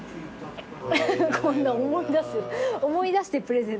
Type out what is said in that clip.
こんな思い出す思い出してプレゼント。